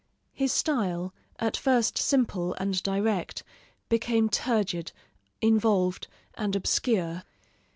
His style, at first simple and direct, became turgid, involved, and obscure.